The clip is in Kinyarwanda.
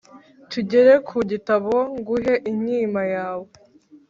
tugere ku gitabo nguhe inkima yawe